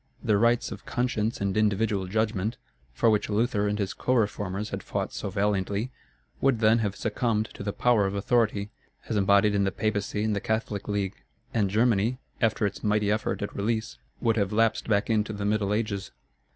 The rights of conscience and individual judgment, for which Luther and his co reformers had fought so valiantly, would then have succumbed to the power of authority, as embodied in the Papacy and the Catholic League; and Germany, after its mighty effort at release, would have lapsed back into the Middle Ages.